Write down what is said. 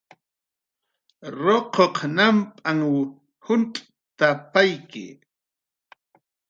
"Ruquq namp'anh juncx't""apayki"